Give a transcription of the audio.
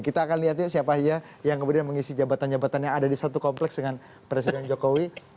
kita akan lihat yuk siapa saja yang kemudian mengisi jabatan jabatan yang ada di satu kompleks dengan presiden jokowi